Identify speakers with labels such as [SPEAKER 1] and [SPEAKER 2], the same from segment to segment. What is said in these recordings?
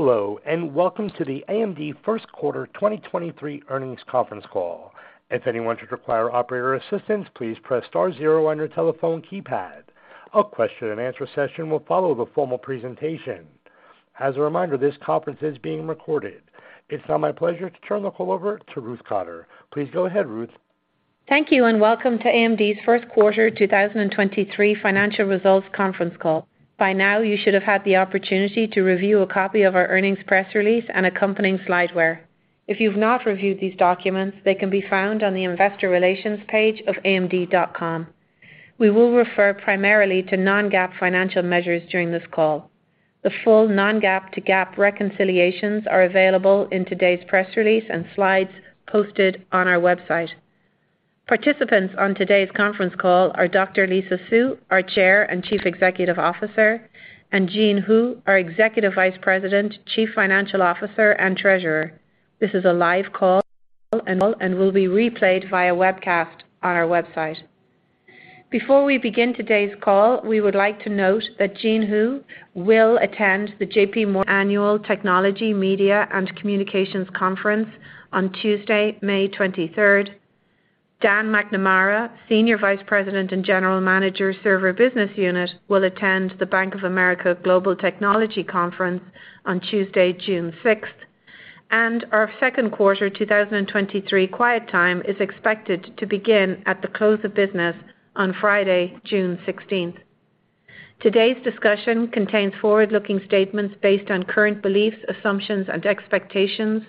[SPEAKER 1] Hello, and welcome to the AMD first quarter 2023 earnings conference call. If anyone should require operator assistance, please press star zero on your telephone keypad. A question-and-answer session will follow the formal presentation. As a reminder, this conference is being recorded. It's now my pleasure to turn the call over to Ruth Cotter. Please go ahead, Ruth.
[SPEAKER 2] Thank you, welcome to AMD's first-quarter 2023 financial results conference call. By now, you should have had the opportunity to review a copy of our earnings press release and accompanying slideware. If you've not reviewed these documents, they can be found on the investor relations page of amd.com. We will refer primarily to non-GAAP financial measures during this call. The full non-GAAP to GAAP reconciliations are available in today's press release and slides posted on our website. Participants on today's conference call are Dr. Lisa Su, our Chair and Chief Executive Officer, and Jean Hu, our Executive Vice President, Chief Financial Officer, and Treasurer. This is a live call and will be replayed via webcast on our website. Before we begin today's call, we would like to note that Jean Hu will attend the JPMorgan Annual Technology, Media, & Communications Conference on Tuesday, May 23rd. Dan McNamara, Senior Vice President and General Manager, Server Business Unit, will attend the Bank of America Global Technology Conference on Tuesday, June sixth. Our second quarter 2023 quiet time is expected to begin at the close of business on Friday, June 16th. Today's discussion contains forward-looking statements based on current beliefs, assumptions, and expectations,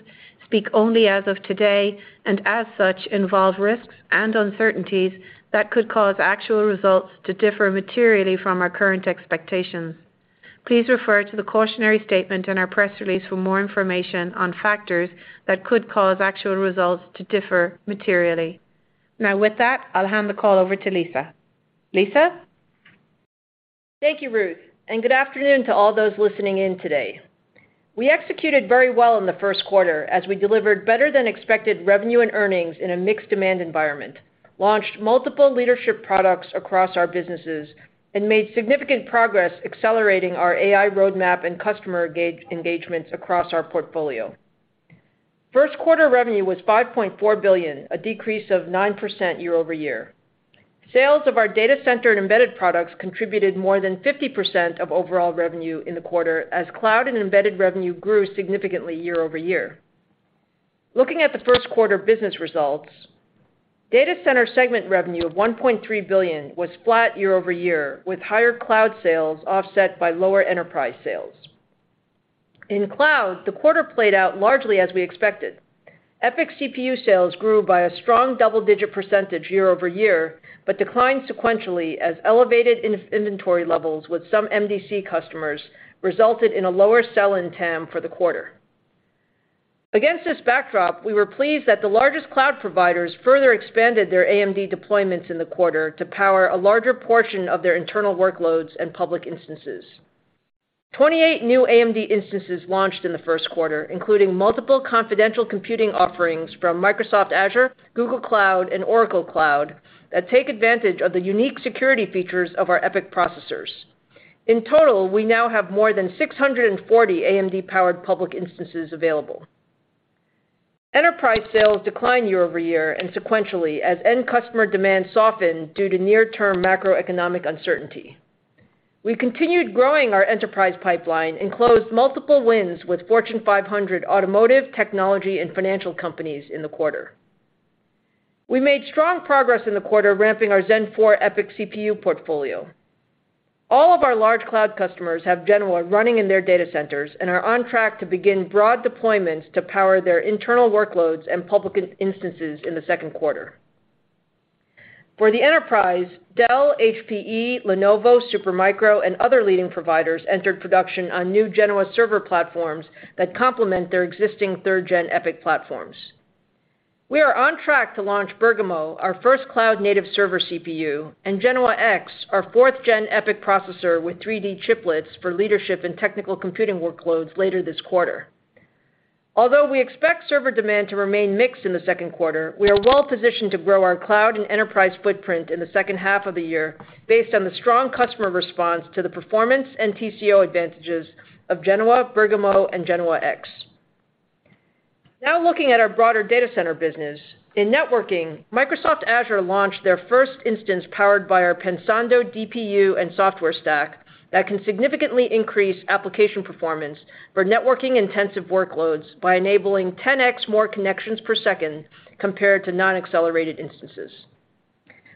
[SPEAKER 2] speak only as of today, and as such, involve risks and uncertainties that could cause actual results to differ materially from our current expectations. Please refer to the cautionary statement in our press release for more information on factors that could cause actual results to differ materially. With that, I'll hand the call over to Lisa. Lisa?
[SPEAKER 3] Thank you, Ruth. Good afternoon to all those listening in today. We executed very well in the first quarter as we delivered better than expected revenue and earnings in a mixed demand environment, launched multiple leadership products across our businesses, and made significant progress accelerating our AI roadmap and customer engagements across our portfolio. First quarter revenue was $5.4 billion, a decrease of 9% year-over-year. Sales of our data center and embedded products contributed more than 50% of overall revenue in the quarter as cloud and embedded revenue grew significantly year-over-year. Looking at the first quarter business results, data center segment revenue of $1.3 billion was flat year-over-year, with higher cloud sales offset by lower enterprise sales. In cloud, the quarter played out largely as we expected. EPYC CPU sales grew by a strong double-digit % year-over-year, but declined sequentially as elevated in-inventory levels with some MDC customers resulted in a lower sell-in TAM for the quarter. Against this backdrop, we were pleased that the largest cloud providers further expanded their AMD deployments in the quarter to power a larger portion of their internal workloads and public instances. 28 new AMD instances launched in the first quarter, including multiple confidential computing offerings from Microsoft Azure, Google Cloud, and Oracle Cloud that take advantage of the unique security features of our EPYC processors. In total, we now have more than 640 AMD-powered public instances available. Enterprise sales declined year-over-year and sequentially as end customer demand softened due to near-term macroeconomic uncertainty. We continued growing our enterprise pipeline and closed multiple wins with Fortune 500 automotive, technology, and financial companies in the quarter. We made strong progress in the quarter ramping our Zen 4 EPYC CPU portfolio. All of our large cloud customers have Genoa running in their data centers and are on track to begin broad deployments to power their internal workloads and public instances in the second quarter. For the enterprise, Dell, HPE, Lenovo, Supermicro, and other leading providers entered production on new Genoa server platforms that complement their existing 3rd Gen EPYC platforms. We are on track to launch Bergamo, our first cloud-native server CPU, Genoa-X, our 4th Gen EPYC processor with 3D chiplets for leadership and technical computing workloads later this quarter. Although we expect server demand to remain mixed in the second quarter, we are well-positioned to grow our cloud and enterprise footprint in the second half of the year based on the strong customer response to the performance and TCO advantages of Genoa, Bergamo, and Genoa-X. Looking at our broader data center business, in networking, Microsoft Azure launched their first instance powered by our Pensando DPU and software stack that can significantly increase application performance for networking-intensive workloads by enabling 10x more connections per second compared to non-accelerated instances.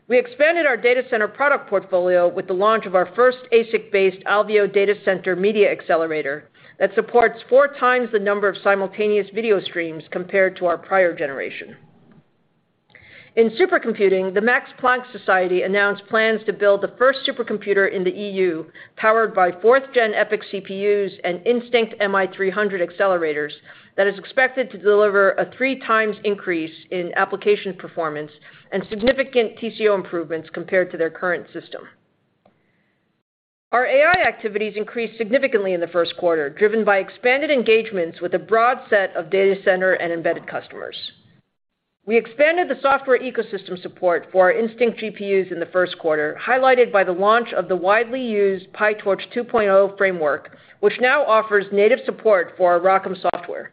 [SPEAKER 3] We expanded our data center product portfolio with the launch of our first ASIC-based Alveo Data Center Media Accelerator that supports 4x the number of simultaneous video streams compared to our prior generation. In supercomputing, the Max Planck Society announced plans to build the first supercomputer in the EU powered by 4th Gen EPYC CPUs and Instinct MI300 accelerators that is expected to deliver a three times increase in application performance and significant TCO improvements compared to their current system. Our AI activities increased significantly in the first quarter, driven by expanded engagements with a broad set of data center and embedded customers. We expanded the software ecosystem support for our Instinct GPUs in the first quarter, highlighted by the launch of the widely used PyTorch 2.0 framework, which now offers native support for our ROCm software.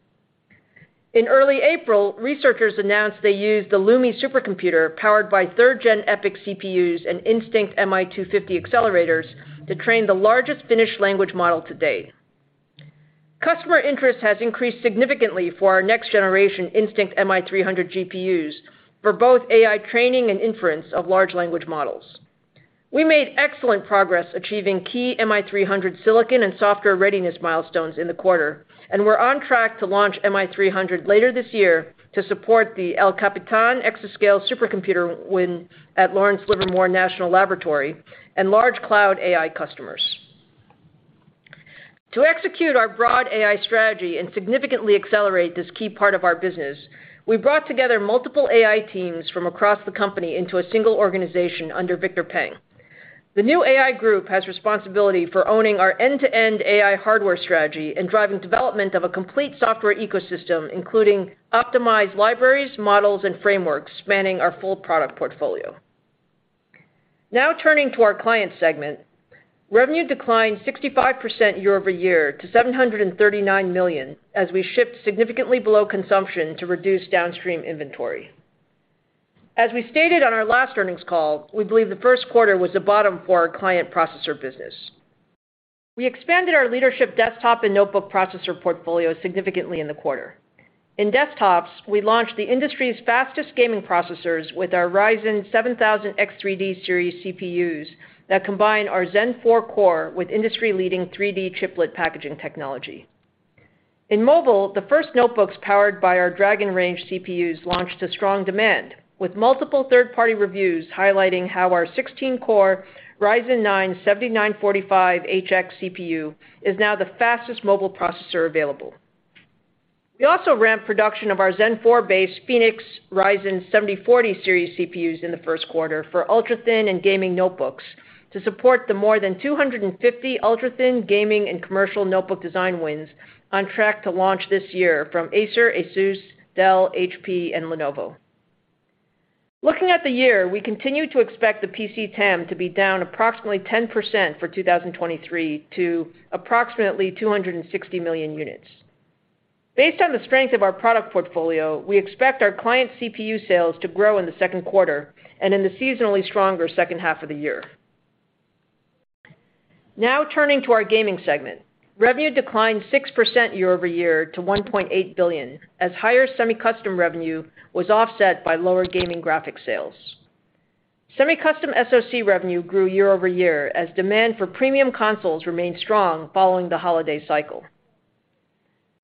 [SPEAKER 3] In early April, researchers announced they used the LUMI supercomputer, powered by 3rd Gen EPYC CPUs and Instinct MI250 accelerators, to train the largest Finnish language model to date. Customer interest has increased significantly for our next generation Instinct MI300 GPUs for both AI training and inference of large language models. We made excellent progress achieving key MI300 silicon and software readiness milestones in the quarter, and we're on track to launch MI300 later this year to support the El Capitan exascale supercomputer win at Lawrence Livermore National Laboratory and large cloud AI customers. To execute our broad AI strategy and significantly accelerate this key part of our business, we brought together multiple AI teams from across the company into a single organization under Victor Peng. The new AI group has responsibility for owning our end-to-end AI hardware strategy and driving development of a complete software ecosystem, including optimized libraries, models, and frameworks spanning our full product portfolio. Turning to our client segment. Revenue declined 65% year-over-year to $739 million as we shipped significantly below consumption to reduce downstream inventory. As we stated on our last earnings call, we believe the first quarter was the bottom for our client processor business. We expanded our leadership desktop and notebook processor portfolio significantly in the quarter. In desktops, we launched the industry's fastest gaming processors with our Ryzen 7000 X3D series CPUs that combine our Zen 4 core with industry-leading 3D chiplet packaging technology. In mobile, the first notebooks powered by our Dragon Range CPUs launched a strong demand, with multiple third-party reviews highlighting how our 16-core Ryzen 9 7945HX CPU is now the fastest mobile processor available. We also ramped production of our Zen 4-based Phoenix Ryzen 7040 Series CPUs in the first quarter for ultrathin and gaming notebooks to support the more than 250 ultrathin gaming and commercial notebook design wins on track to launch this year from Acer, Asus, Dell, HP, and Lenovo. Looking at the year, we continue to expect the PC TAM to be down approximately 10% for 2023 to approximately 260 million units. Based on the strength of our product portfolio, we expect our client CPU sales to grow in the second quarter and in the seasonally stronger second half of the year. Now turning to our gaming segment. Revenue declined 6% year-over-year to $1.8 billion as higher semi-custom revenue was offset by lower gaming graphic sales. Semi-custom SoC revenue grew year-over-year as demand for premium consoles remained strong following the holiday cycle.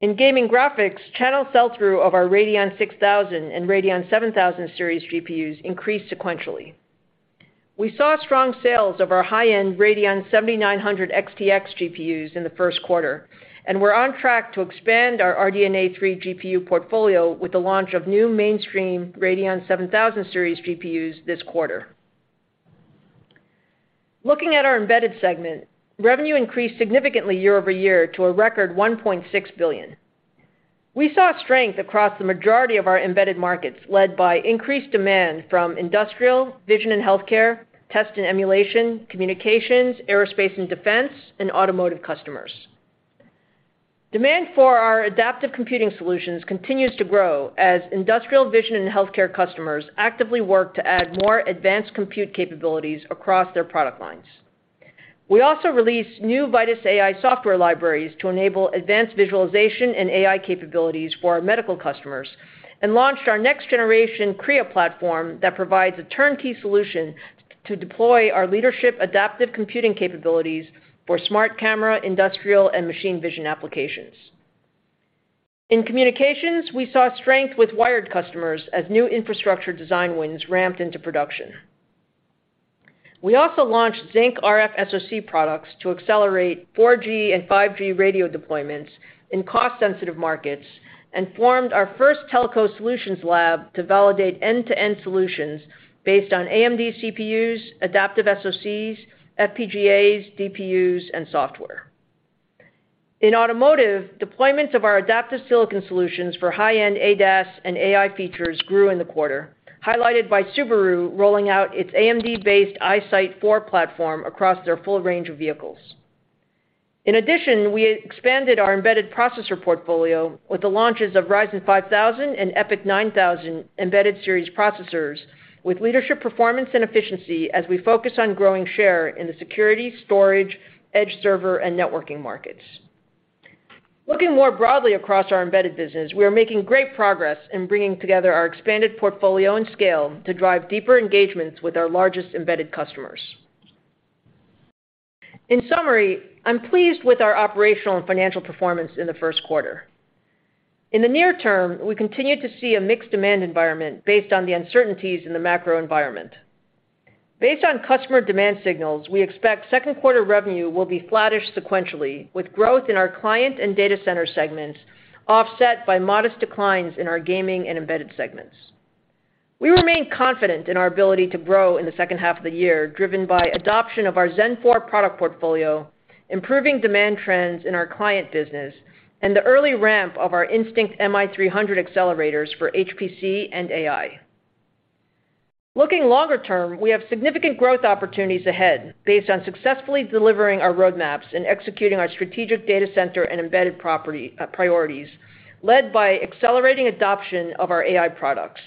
[SPEAKER 3] In gaming graphics, channel sell-through of our Radeon RX 6000 and Radeon RX 7000 series GPUs increased sequentially. We saw strong sales of our high-end Radeon RX 7900 XTX GPUs in the first quarter. We're on track to expand our RDNA 3 GPU portfolio with the launch of new mainstream Radeon RX 7000 series GPUs this quarter. Looking at our embedded segment, revenue increased significantly year-over-year to a record $1.6 billion. We saw strength across the majority of our embedded markets, led by increased demand from industrial, vision and healthcare, test and emulation, communications, aerospace and defense, and automotive customers. Demand for our adaptive computing solutions continues to grow as industrial vision and healthcare customers actively work to add more advanced compute capabilities across their product lines. We also released new Vitis AI software libraries to enable advanced visualization and AI capabilities for our medical customers and launched our next-generation Kria platform that provides a turnkey solution to deploy our leadership adaptive computing capabilities for smart camera, industrial, and machine vision applications. In communications, we saw strength with wired customers as new infrastructure design wins ramped into production. We also launched Zynq RFSoC products to accelerate 4G and 5G radio deployments in cost-sensitive markets and formed our first telco solutions lab to validate end-to-end solutions based on AMD CPUs, adaptive SoCs, FPGAs, DPUs, and software. In automotive, deployments of our adaptive silicon solutions for high-end ADAS and AI features grew in the quarter, highlighted by Subaru rolling out its AMD-based EyeSight 4 platform across their full range of vehicles. In addition, we expanded our embedded processor portfolio with the launches of Ryzen 5000 and EPYC 9000 embedded series processors with leadership performance and efficiency as we focus on growing share in the security, storage, edge server, and networking markets. Looking more broadly across our embedded business, we are making great progress in bringing together our expanded portfolio and scale to drive deeper engagements with our largest embedded customers. In summary, I'm pleased with our operational and financial performance in the first quarter. In the near term, we continue to see a mixed demand environment based on the uncertainties in the macro environment. Based on customer demand signals, we expect second quarter revenue will be flattish sequentially, with growth in our client and data center segments offset by modest declines in our gaming and embedded segments. We remain confident in our ability to grow in the second half of the year, driven by adoption of our Zen 4 product portfolio, improving demand trends in our client business, and the early ramp of our Instinct MI300 accelerators for HPC and AI. Looking longer term, we have significant growth opportunities ahead based on successfully delivering our roadmaps and executing our strategic data center and embedded property priorities, led by accelerating adoption of our AI products.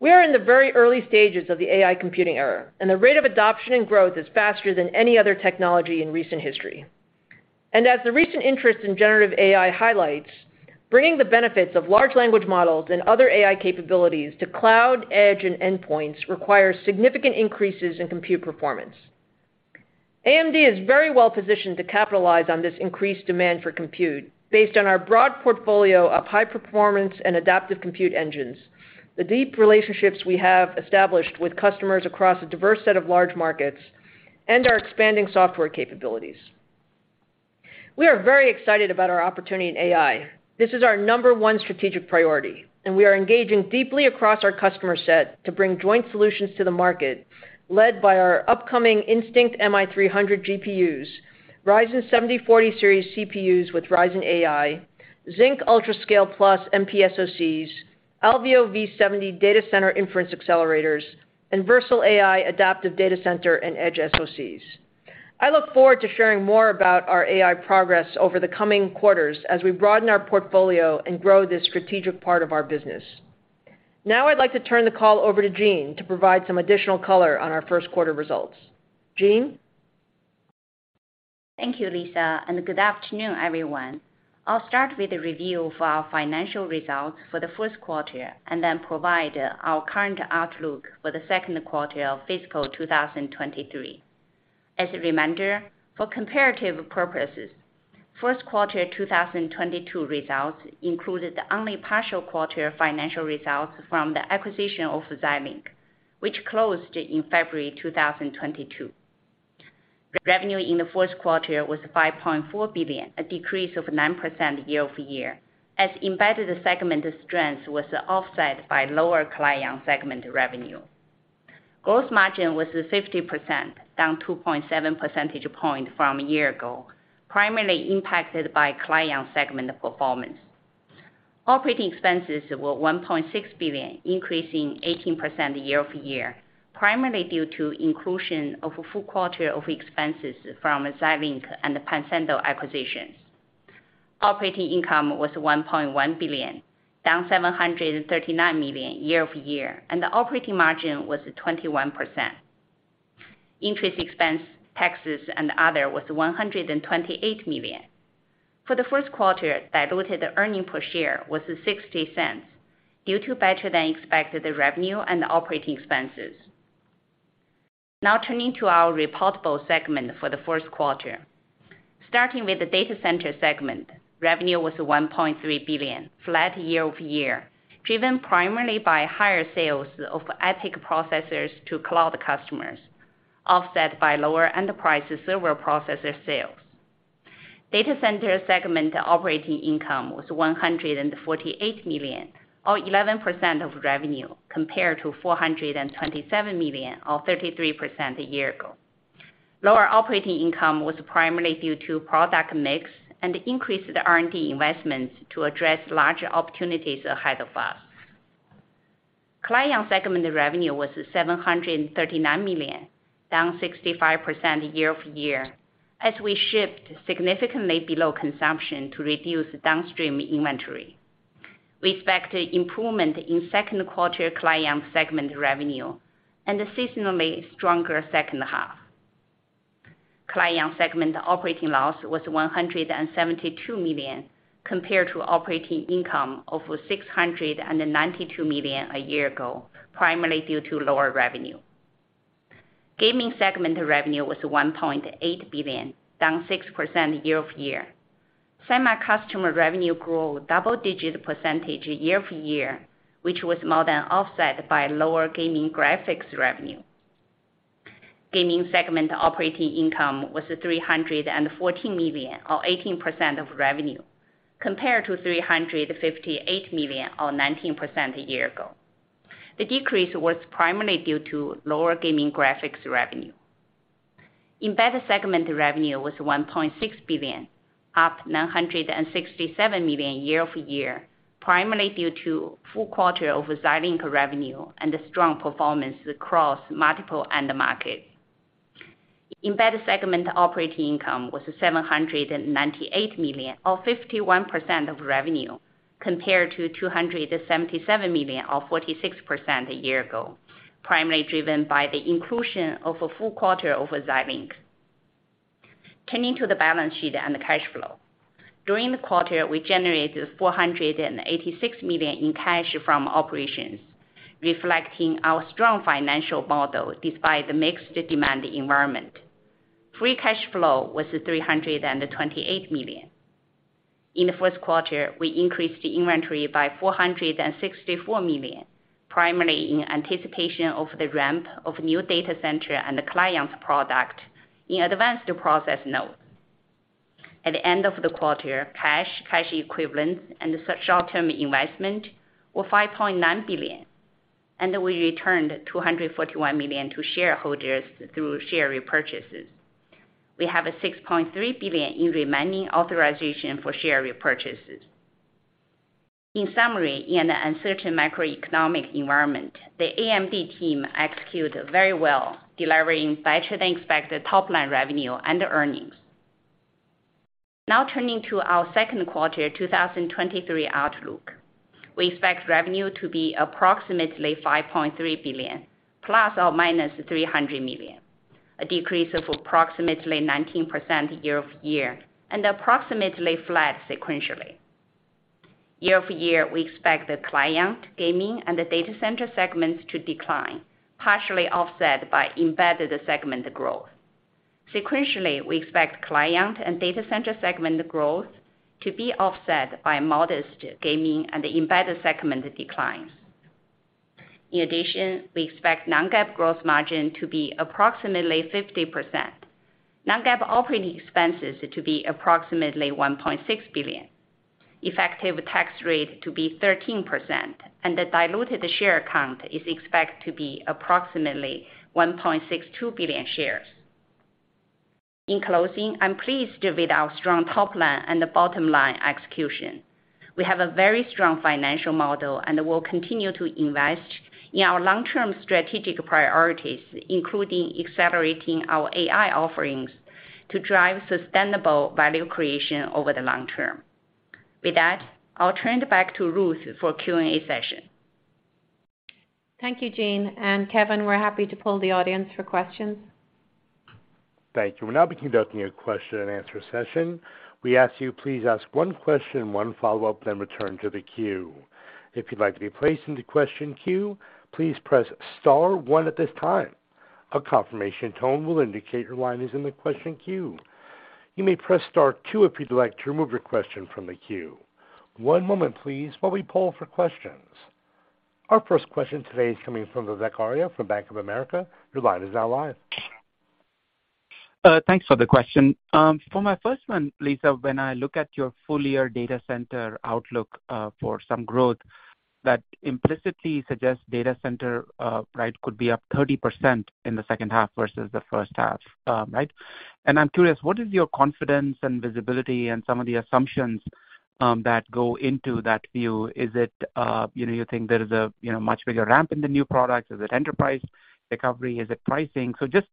[SPEAKER 3] We are in the very early stages of the AI computing era, the rate of adoption and growth is faster than any other technology in recent history. As the recent interest in generative AI highlights, bringing the benefits of large language models and other AI capabilities to cloud, edge, and endpoints requires significant increases in compute performance. AMD is very well positioned to capitalize on this increased demand for compute based on our broad portfolio of high performance and adaptive compute engines, the deep relationships we have established with customers across a diverse set of large markets, and our expanding software capabilities. We are very excited about our opportunity in AI. This is our number one strategic priority, and we are engaging deeply across our customer set to bring joint solutions to the market, led by our upcoming Instinct MI300 GPUs, Ryzen 7040 Series CPUs with Ryzen AI, Zynq UltraScale+ MPSoCs, Alveo V70 data center inference accelerators, and Versal AI adaptive data center and edge SoCs. I look forward to sharing more about our AI progress over the coming quarters as we broaden our portfolio and grow this strategic part of our business. I'd like to turn the call over to Jean to provide some additional color on our first quarter results. Jean?
[SPEAKER 4] Thank you, Lisa. Good afternoon, everyone. I'll start with the review of our financial results for the first quarter and then provide our current outlook for the second quarter of fiscal 2023. As a reminder, for comparative purposes, first quarter 2022 results included only partial quarter financial results from the acquisition of Xilinx, which closed in February 2022. Revenue in the first quarter was $5.4 billion, a decrease of 9% year-over-year, as embedded segment strength was offset by lower client segment revenue. Gross margin was 50%, down 2.7 percentage points from a year ago, primarily impacted by client segment performance. Operating expenses were $1.6 billion, increasing 18% year-over-year, primarily due to inclusion of a full quarter of expenses from Xilinx and the Pensando acquisitions. Operating income was $1.1 billion, down $739 million year-over-year, and the operating margin was 21%. Interest expense, taxes, and other was $128 million. For the first quarter, diluted earning per share was $0.60 due to better-than-expected revenue and operating expenses. Turning to our reportable segment for the first quarter. Starting with the data center segment, revenue was $1.3 billion, flat year-over-year, driven primarily by higher sales of EPYC processors to cloud customers, offset by lower enterprise server processor sales. Data center segment operating income was $148 million, or 11% of revenue, compared to $427 million or 33% a year ago. Lower operating income was primarily due to product mix and increased R&D investments to address larger opportunities ahead of us. Client segment revenue was $739 million, down 65% year-over-year as we shipped significantly below consumption to reduce downstream inventory. We expect improvement in second quarter client segment revenue and a seasonally stronger second half. Client segment operating loss was $172 million, compared to operating income of $692 million a year ago, primarily due to lower revenue. Gaming segment revenue was $1.8 billion, down 6% year-over-year. Semi customer revenue grew double-digit percentage year-over-year, which was more than offset by lower gaming graphics revenue. Gaming segment operating income was $314 million, or 18% of revenue, compared to $358 million or 19% a year ago. The decrease was primarily due to lower gaming graphics revenue. Embedded segment revenue was $1.6 billion, up $967 million year-over-year, primarily due to full quarter of Xilinx revenue and a strong performance across multiple end market. Embedded segment operating income was $798 million or 51% of revenue, compared to $277 million or 46% a year ago, primarily driven by the inclusion of a full quarter of Xilinx. Turning to the balance sheet and the cash flow. During the quarter, we generated $486 million in cash from operations, reflecting our strong financial model despite the mixed demand environment. Free cash flow was $328 million. In the first quarter, we increased inventory by $464 million, primarily in anticipation of the ramp of new data center and the client's product in advanced process node. At the end of the quarter, cash equivalents, and short-term investment were $5.9 billion. We returned $241 million to shareholders through share repurchases. We have $6.3 billion in remaining authorization for share repurchases. In summary, in an uncertain macroeconomic environment, the AMD team executed very well, delivering better than expected top-line revenue and earnings. Turning to our second quarter 2023 outlook. We expect revenue to be approximately $5.3 billion ±$300 million, a decrease of approximately 19% year-over-year, approximately flat sequentially. Year-over-year, we expect the client, gaming, and data center segments to decline, partially offset by embedded segment growth. Sequentially, we expect client and data center segment growth to be offset by modest gaming and embedded segment declines. In addition, we expect non-GAAP growth margin to be approximately 50%, non-GAAP operating expenses to be approximately $1.6 billion, effective tax rate to be 13%, and the diluted share count is expected to be approximately 1.62 billion shares. In closing, I'm pleased with our strong top line and bottom line execution. We have a very strong financial model, and we'll continue to invest in our long-term strategic priorities, including accelerating our AI offerings to drive sustainable value creation over the long term. With that, I'll turn it back to Ruth for Q&A session.
[SPEAKER 2] Thank you, Jean and Kevin. We're happy to poll the audience for questions.
[SPEAKER 1] Thank you. We'll now be conducting a question and answer session. We ask you please ask one question, one follow-up, then return to the queue. If you'd like to be placed in the question queue, please press star one at this time. A confirmation tone will indicate your line is in the question queue. You may press star two if you'd like to remove your question from the queue. One moment please while we poll for questions. Our first question today is coming from Vivek Arya from Bank of America. Your line is now live.
[SPEAKER 5] Thanks for the question. For my first one, Lisa, when I look at your full year data center outlook, for some growth, that implicitly suggests data center, right, could be up 30% in the second half versus the first half, right? I'm curious, what is your confidence and visibility and some of the assumptions that go into that view? Is it, you know, you think there is a, you know, much bigger ramp in the new products? Is it enterprise recovery? Is it pricing? Just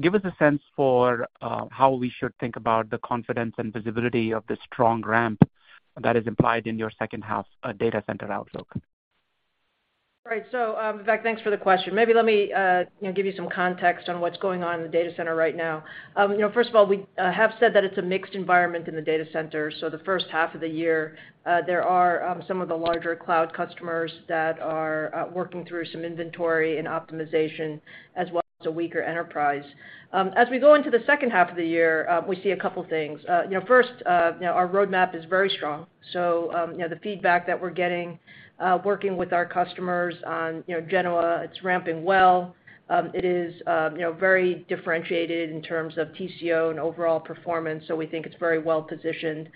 [SPEAKER 5] give us a sense for how we should think about the confidence and visibility of the strong ramp that is implied in your second half data center outlook.
[SPEAKER 3] Right. Vivek, thanks for the question. Maybe let me, you know, give you some context on what's going on in the data center right now. You know, first of all, we have said that it's a mixed environment in the data center. The first half of the year, there are some of the larger cloud customers that are working through some inventory and optimization, as well as a weaker enterprise. As we go into the second half of the year, we see a couple things. You know, first, you know, our roadmap is very strong. You know, the feedback that we're getting, working with our customers on, you know, Genoa, it's ramping well. It is, you know, very differentiated in terms of TCO and overall performance, we think it's very well-positioned.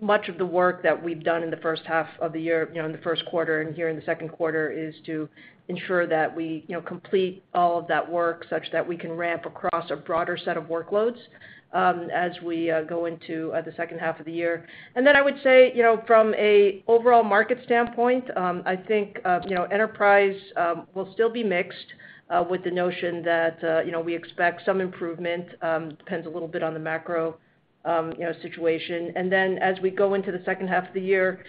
[SPEAKER 3] Much of the work that we've done in the first half of the year, in the first quarter and here in the second quarter, is to ensure that we, complete all of that work such that we can ramp across a broader set of workloads, as we go into the second half of the year. I would say, from an overall market standpoint, I think enterprise will still be mixed with the notion that we expect some improvement. Depends a little bit on the macro situation. As we go into the second half of the year,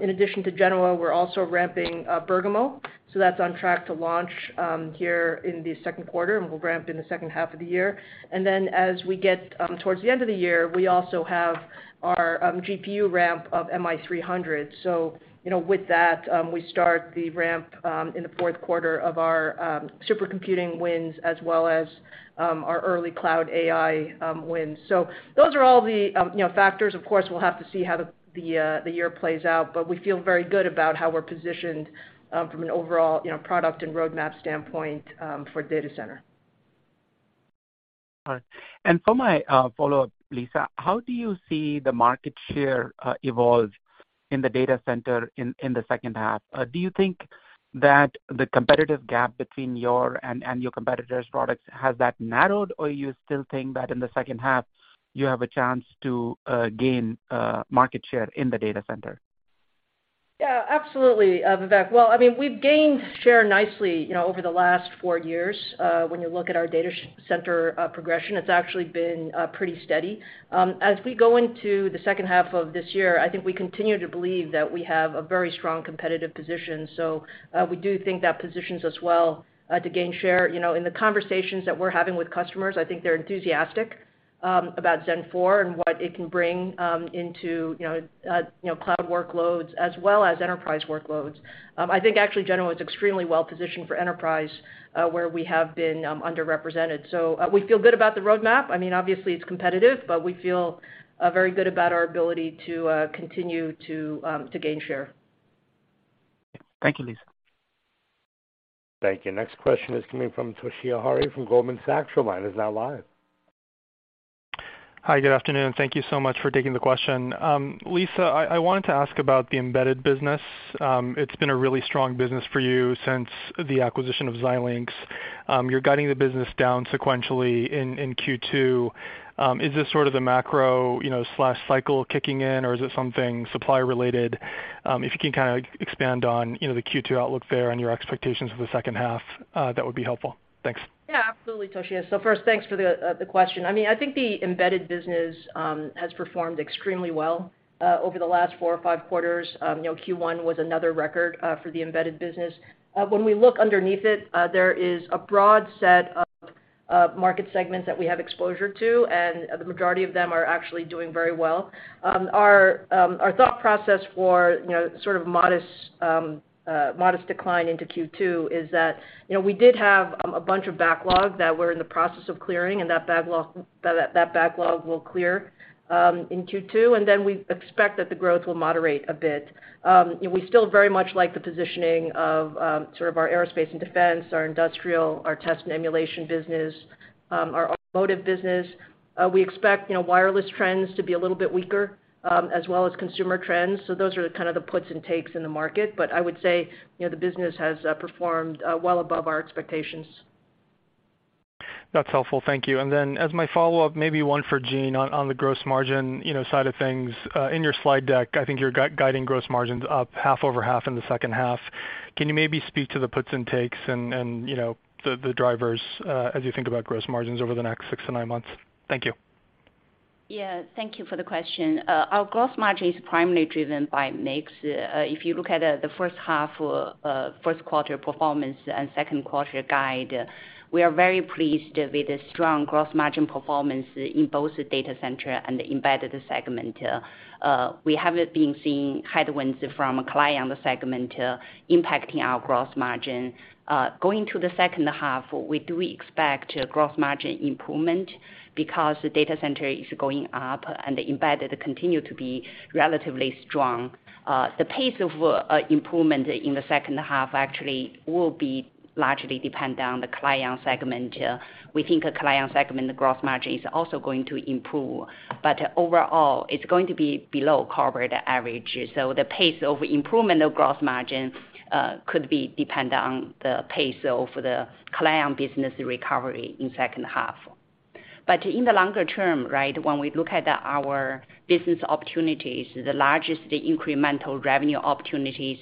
[SPEAKER 3] in addition to Genoa, we're also ramping up Bergamo. That's on track to launch here in the second quarter, and we'll ramp in the second half of the year. As we get towards the end of the year, we also have our GPU ramp of MI300. You know, with that, we start the ramp in the fourth quarter of our supercomputing wins as well as our early cloud AI wins. Those are all the, you know, factors. Of course, we'll have to see how the year plays out, but we feel very good about how we're positioned from an overall, you know, product and roadmap standpoint for data center.
[SPEAKER 5] All right. For my, follow-up, Lisa, how do you see the market share, evolve in the data center in the second half? Do you think that the competitive gap between your and your competitors' products, has that narrowed, or you still think that in the second half you have a chance to, gain, market share in the data center?
[SPEAKER 3] Yeah, absolutely, Vivek. Well, I mean, we've gained share nicely, you know, over the last four years. When you look at our data center progression, it's actually been pretty steady. As we go into the second half of this year, I think we continue to believe that we have a very strong competitive position, so we do think that positions us well to gain share. You know, in the conversations that we're having with customers, I think they're enthusiastic about Zen 4 and what it can bring into, you know, cloud workloads as well as enterprise workloads. I think actually Genoa is extremely well-positioned for enterprise, where we have been underrepresented. We feel good about the roadmap. I mean, obviously it's competitive, but we feel very good about our ability to continue to gain share.
[SPEAKER 5] Thank you, Lisa.
[SPEAKER 1] Thank you. Next question is coming from Toshiya Hari from Goldman Sachs. Your line is now live.
[SPEAKER 6] Hi. Good afternoon. Thank You so much for taking the question. Lisa, I wanted to ask about the embedded business. It's been a really strong business for you since the acquisition of Xilinx. You're guiding the business down sequentially in Q2. Is this sort of the macro, you know, slash cycle kicking in, or is it something supply related? If you can kind of expand on, you know, the Q2 outlook there and your expectations for the second half, that would be helpful. Thanks.
[SPEAKER 3] Yeah, absolutely, Toshiya. First, thanks for the question. I mean, I think the embedded business has performed extremely well over the last four or five quarters. You know, Q1 was another record for the embedded business. When we look underneath it, there is a broad set of market segments that we have exposure to, and the majority of them are actually doing very well. Our thought process for, you know, sort of modest modest decline into Q2 is that, you know, we did have a bunch of backlog that we're in the process of clearing, and that backlog will clear in Q2, and then we expect that the growth will moderate a bit. We still very much like the positioning of, sort of our aerospace and defense, our industrial, our test and emulation business, our automotive business. We expect, you know, wireless trends to be a little bit weaker, as well as consumer trends. Those are kind of the puts and takes in the market. I would say, you know, the business has performed well above our expectations.
[SPEAKER 6] That's helpful. Thank you. As my follow-up, maybe one for Jean on the gross margin, you know, side of things. In your slide deck, I think you're guiding gross margins up half over half in the second half. Can you maybe speak to the puts and takes and, you know, the drivers, as you think about gross margins over the next six to nine months? Thank you.
[SPEAKER 4] Yeah. Thank you for the question. Our gross margin is primarily driven by mix. If you look at the first half, first quarter performance and second quarter guide, we are very pleased with the strong gross margin performance in both the data center and the embedded segment. We have been seeing headwinds from client segment impacting our gross margin. Going to the second half, we do expect gross margin improvement because the data center is going up and the embedded continue to be relatively strong. The pace of improvement in the second half actually will be largely depend on the client segment. We think the client segment gross margin is also going to improve. Overall, it's going to be below corporate average. The pace of improvement of gross margin, could be dependent on the pace of the client business recovery in second half. In the longer term, right, when we look at our business opportunities, the largest incremental revenue opportunities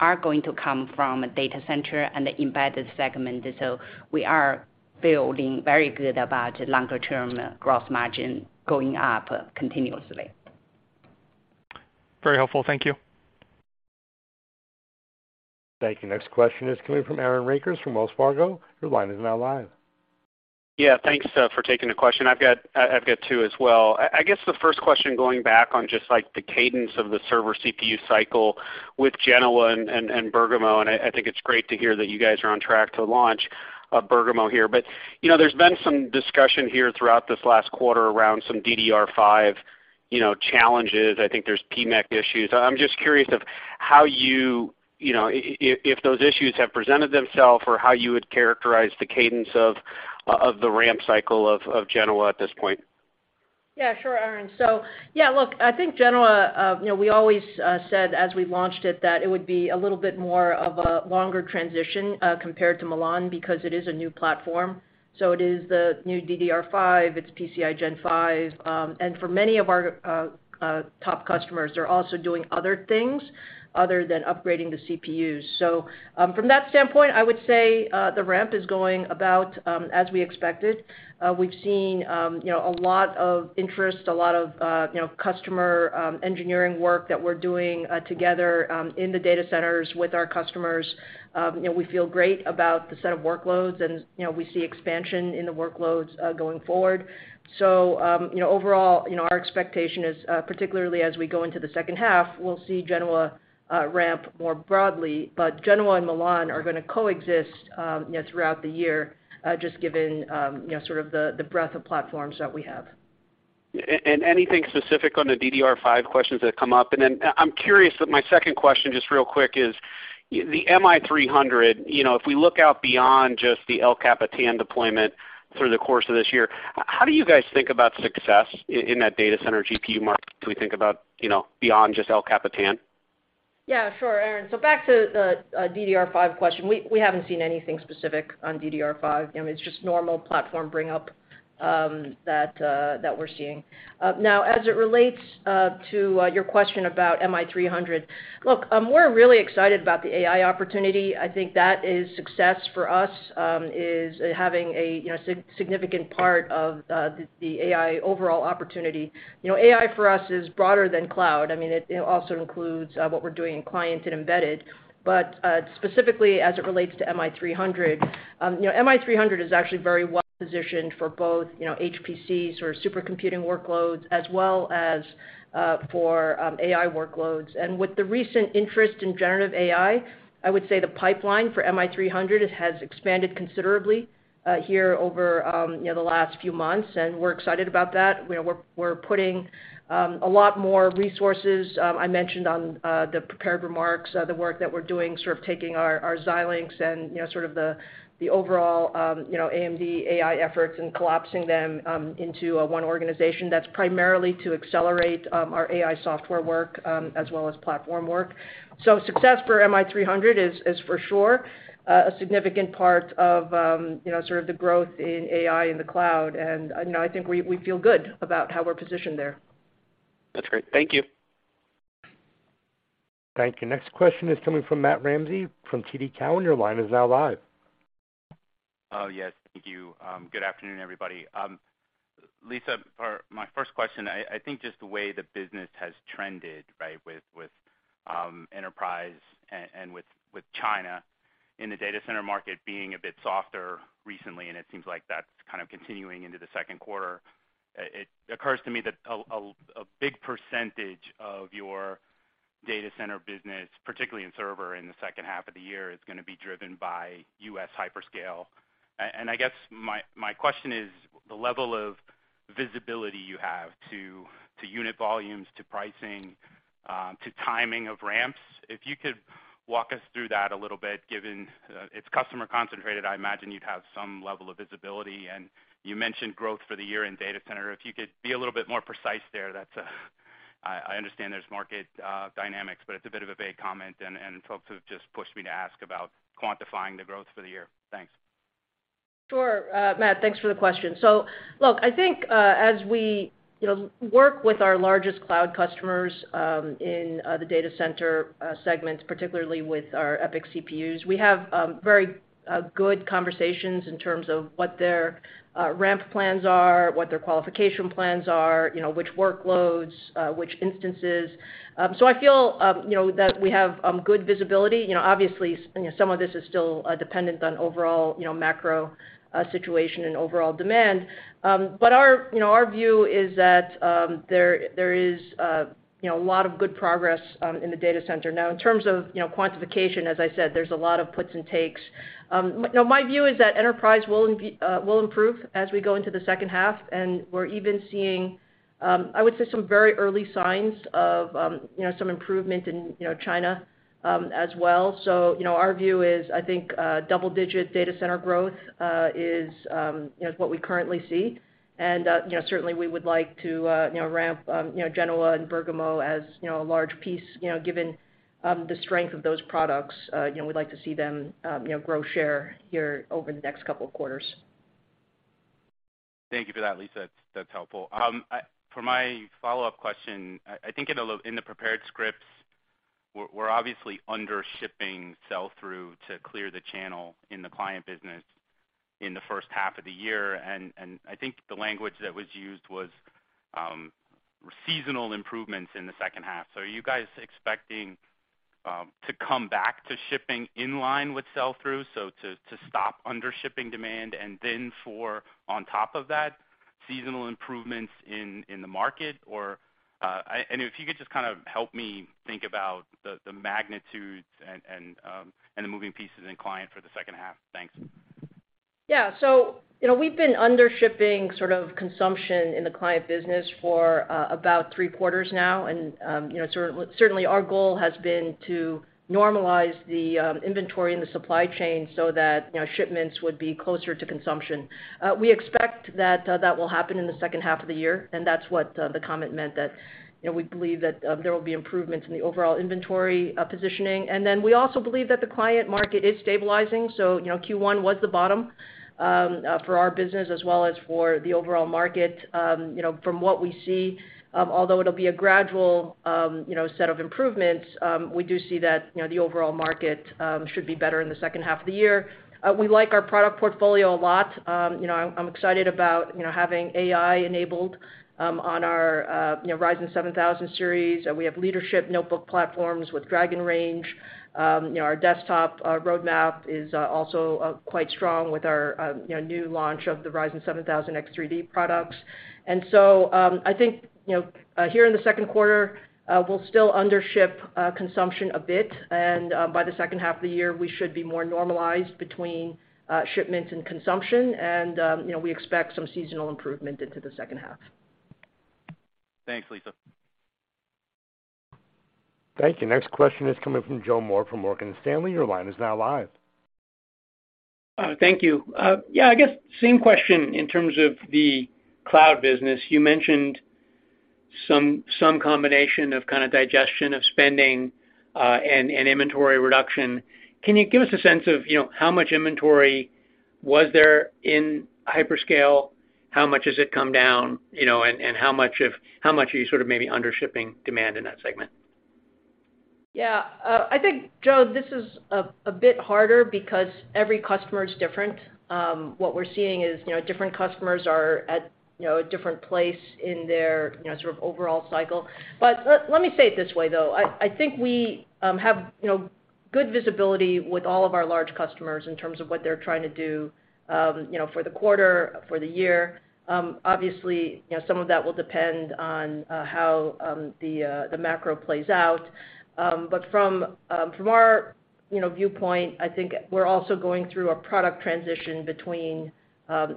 [SPEAKER 4] are going to come from data center and the embedded segment. We are feeling very good about longer-term gross margin going up continuously.
[SPEAKER 6] Very helpful. Thank you.
[SPEAKER 1] Thank you. Next question is coming from Aaron Rakers from Wells Fargo. Your line is now live.
[SPEAKER 7] Yeah, thanks for taking the question. I've got two as well. I guess the first question going back on just, like, the cadence of the server CPU cycle with Genoa and Bergamo, I think it's great to hear that you guys are on track to launch Bergamo here. You know, there's been some discussion here throughout this last quarter around some DDR5, you know, challenges. I think there's PMIC issues. I'm just curious of how you know, if those issues have presented themself or how you would characterize the cadence of the rampcycle of Genoa at this point?
[SPEAKER 3] Yeah, sure, Aaron. Yeah, look, I think Genoa, you know, we always said as we launched it that it would be a little bit more of a longer transition compared to Milan because it is a new platform. It is the new DDR5, it's PCIe Gen 5. For many of our top customers, they're also doing other things other than upgrading the CPUs. From that standpoint, I would say the ramp is going about as we expected. We've seen, you know, a lot of interest, a lot of, you know, customer engineering work that we're doing together in the data centers with our customers. You know, we feel great about the set of workloads and, you know, we see expansion in the workloads going forward. You know, overall, you know, our expectation is, particularly as we go into the second half, we'll see Genoa ramp more broadly. Genoa and Milan are gonna coexist, you know, throughout the year, just given, you know, sort of the breadth of platforms that we have.
[SPEAKER 7] Anything specific on the DDR5 questions that come up? Then I'm curious, my second question, just real quick is the MI300. You know, if we look out beyond just the El Capitan deployment through the course of this year, how do you guys think about success in that data center GPU market as we think about, you know, beyond just El Capitan?
[SPEAKER 3] Yeah, sure, Aaron. Back to the DDR5 question. We haven't seen anything specific on DDR5. You know, it's just normal platform bring up that we're seeing. Now as it relates to your question about MI300, look, we're really excited about the AI opportunity. I think that is success for us, is having a, you know, significant part of the AI overall opportunity. You know, AI for us is broader than cloud. I mean, it also includes what we're doing in client and embedded. Specifically as it relates to MI300, you know, MI300 is actually very well positioned for both, you know, HPC, sort of supercomputing workloads, as well as for AI workloads. With the recent interest in generative AI, I would say the pipeline for MI300 has expanded considerably here over, you know, the last few months, and we're excited about that. You know, we're putting a lot more resources, I mentioned on the prepared remarks, the work that we're doing, sort of taking our Xilinx and, you know, sort of the overall, you know, AMD AI efforts and collapsing them into one organization. That's primarily to accelerate our AI software work as well as platform work. Success for MI300 is for sure a significant part of, you know, sort of the growth in AI in the cloud. You know, I think we feel good about how we're positioned there.
[SPEAKER 7] That's great. Thank you.
[SPEAKER 1] Thank you. Next question is coming from Matt Ramsay from TD Cowen. Your line is now live.
[SPEAKER 8] Oh, yes. Thank you. Good afternoon, everybody. Lisa, for my first question, I think just the way the business has trended, right, with enterprise and with China in the data center market being a bit softer recently, and it seems like that's kind of continuing into the second quarter. It occurs to me that a big percentage of your data center business, particularly in server in the second half of the year, is gonna be driven by US hyperscale. I guess my question is the level of visibility you have to unit volumes, to pricing, to timing of ramps. If you could walk us through that a little bit, given it's customer concentrated, I imagine you'd have some level of visibility. You mentioned growth for the year in data center. If you could be a little bit more precise there, that's. I understand there's market dynamics, but it's a bit of a vague comment, and folks have just pushed me to ask about quantifying the growth for the year. Thanks.
[SPEAKER 3] Sure. Matt, thanks for the question. Look, I think, as we, you know, work with our largest cloud customers, in the data center segments, particularly with our EPYC CPUs, we have very good conversations in terms of what their ramp plans are, what their qualification plans are, you know, which workloads, which instances. I feel, you know, that we have good visibility. You know, obviously, you know, some of this is still dependent on overall, you know, macro situation and overall demand. Our, you know, our view is that there is, you know, a lot of good progress in the data center. Now in terms of, you know, quantification, as I said, there's a lot of puts and takes. You know, my view is that enterprise will improve as we go into the second half, and we're even seeing, I would say some very early signs of, you know, some improvement in, you know, China as well. You know, our view is, I think, double-digit data center growth is, you know, is what we currently see. You know, certainly, we would like to, you know, ramp, you know, Genoa and Bergamo as, you know, a large piece. You know, given the strength of those products, you know, we'd like to see them, you know, grow share here over the next couple of quarters.
[SPEAKER 8] Thank you for that, Lisa. That's, that's helpful. For my follow-up question, I think in the prepared scripts, we're obviously under shipping sell-through to clear the channel in the client business in the first half of the year. I think the language that was used was seasonal improvements in the second half. Are you guys expecting to come back to shipping in line with sell-through, so to stop under shipping demand and then for on top of that seasonal improvements in the market? If you could just kind of help me think about the magnitudes and the moving pieces in client for the second half. Thanks.
[SPEAKER 3] Yeah. You know, we've been under shipping sort of consumption in the client business for about three quarters now. You know, certainly our goal has been to normalize the inventory and the supply chain so that, you know, shipments would be closer to consumption. We expect that that will happen in the second half of the year, and that's what the comment meant that, you know, we believe that there will be improvements in the overall inventory positioning. We also believe that the client market is stabilizing. You know, Q1 was the bottom for our business as well as for the overall market. you know, from what we see, although it'll be a gradual, you know, set of improvements, we do see that, you know, the overall market, should be better in the second half of the year. We like our product portfolio a lot. you know, I'm excited about, you know, having AI enabled, on our, you know, Ryzen 7000 series. We have leadership notebook platforms with Dragon Range. you know, our desktop, roadmap is, also, quite strong with our, you know, new launch of the Ryzen 7000 X3D products. I think, you know, here in the second quarter, we'll still under ship, consumption a bit. By the second half of the year, we should be more normalized between, shipments and consumption. you know, we expect some seasonal improvement into the second half.
[SPEAKER 8] Thanks, Lisa.
[SPEAKER 1] Thank you. Next question is coming from Joe Moore from Morgan Stanley. Your line is now live.
[SPEAKER 9] Thank you. Yeah, I guess same question in terms of the cloud business. You mentioned some combination of kind of digestion of spending and inventory reduction. Can you give us a sense of, you know, how much inventory was there in hyperscale? How much has it come down? You know, how much are you sort of maybe under shipping demand in that segment?
[SPEAKER 3] Yeah. I think, Joe, this is a bit harder because every customer is different. What we're seeing is, you know, different customers are at, you know, a different place in their, you know, sort of overall cycle. Let me say it this way, though. I think we have, you know, good visibility with all of our large customers in terms of what they're trying to do, you know, for the quarter, for the year. Obviously, you know, some of that will depend on how the macro plays out. From our, you know, viewpoint, I think we're also going through a product transition between, you know,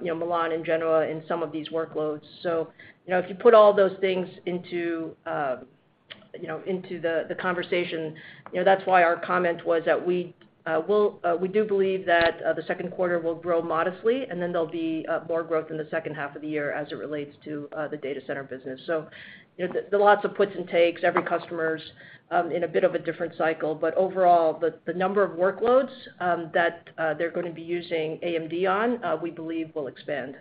[SPEAKER 3] Milan and Genoa in some of these workloads. You know, if you put all those things into, you know, into the conversation, you know, that's why our comment was that we do believe that the second quarter will grow modestly, and then there'll be more growth in the second half of the year as it relates to the data center business. You know, there are lots of puts and takes. Every customer's in a bit of a different cycle. Overall, the number of workloads that they're gonna be using AMD on, we believe will expand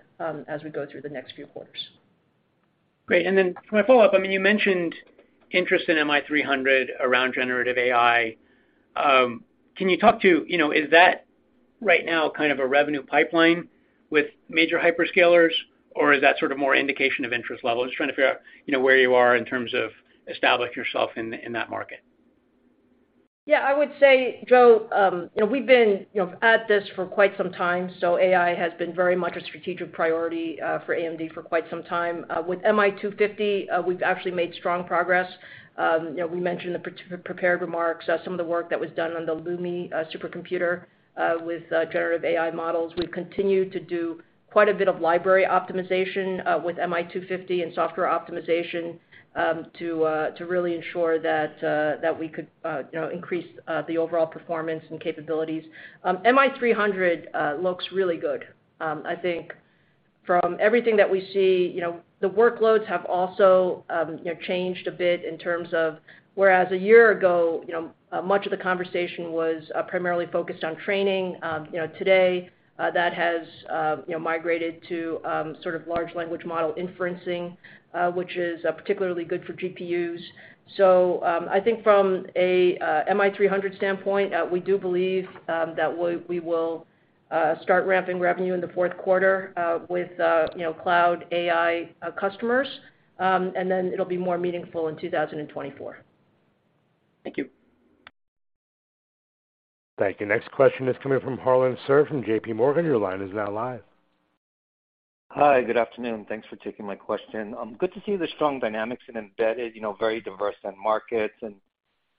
[SPEAKER 3] as we go through the next few quarters.
[SPEAKER 9] Great. Then for my follow-up, I mean, you mentioned interest in MI300 around generative AI. Can you talk to, you know, is that right now kind of a revenue pipeline with major hyperscalers, or is that sort of more indication of interest level? I'm just trying to figure out, you know, where you are in terms of establishing yourself in that market.
[SPEAKER 3] Yeah, I would say, Joe, you know, we've been, you know, at this for quite some time. AI has been very much a strategic priority for AMD for quite some time. With MI250, we've actually made strong progress. You know, we mentioned the prepared remarks, some of the work that was done on the LUMI supercomputer, with generative AI models. We've continued to do quite a bit of library optimization, with MI250 and software optimization, to really ensure that we could, you know, increase the overall performance and capabilities. MI300 looks really good. I think from everything that we see, you know, the workloads have also, you know, changed a bit in terms of whereas a year ago, you know, much of the conversation was primarily focused on training, you know, today, that has, you know, migrated to sort of large language model inferencing, which is particularly good for GPUs. I think from a MI300 standpoint, we do believe that we will start ramping revenue in the fourth quarter with, you know, cloud AI customers, and then it'll be more meaningful in 2024.
[SPEAKER 9] Thank you.
[SPEAKER 1] Thank you. Next question is coming from Harlan Sur from JPMorgan. Your line is now live.
[SPEAKER 10] Hi, good afternoon. Thanks for taking my question. good to see the strong dynamics in Embedded, you know, very diverse end markets.